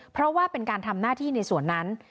เพราะว่าเป็นการทำหน้าที่ในส่วนนั้น